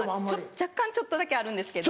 若干ちょっとだけあるんですけど。